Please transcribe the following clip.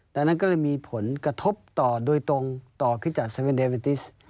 ดังนั้นก็เลยมีผลกระทบต่อโดยตรงต่อคริสจักรเซเวนเดเวนติส